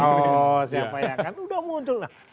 oh siapa yang akan sudah muncul